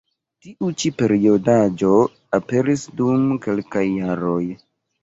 Tiu ĉi periodaĵo aperis dum kelkaj jaroj.